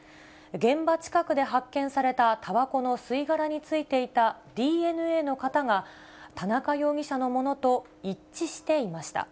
現場近くで発見されたたばこの吸い殻に付いていたＤＮＡの型が、田中容疑者のものと一致していました。